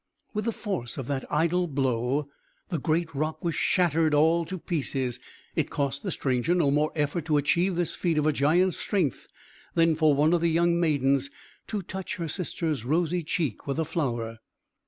With the force of that idle blow, the great rock was shattered all to pieces. It cost the stranger no more effort to achieve this feat of a giant's strength than for one of the young maidens to touch her sister's rosy cheek with a flower.